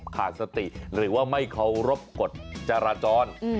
ขาดสติหรือว่าไม่เคารพกฎจราจร